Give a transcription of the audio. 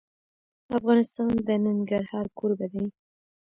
افغانستان د ننګرهار کوربه دی.